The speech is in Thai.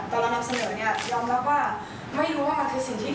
แต่เรานำเสนอเนี่ยยอมรับว่าไม่รู้ว่ามันคือสิ่งผิด